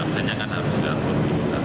absennya kan harus diatur